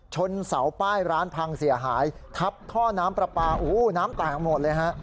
ชนเสาป้ายร้านพังเสียหายทับท่อน้ำปลาปลาโอ้โหน้ำแตกหมดเลยฮะ